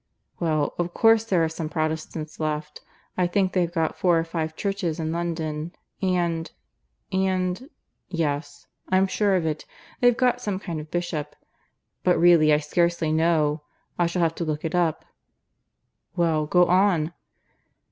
"Well, of course there are some Protestants left. I think they've got four or five churches in London, and ... and ... yes, I'm sure of it, they've got some kind of bishop. But really I scarcely know. I shall have to look it up." "Well, go on."